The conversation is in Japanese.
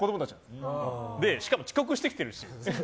で、しかも遅刻してきてるし。